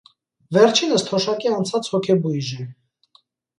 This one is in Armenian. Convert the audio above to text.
Վերջինս թոշակի անցած հոգեբույժ է։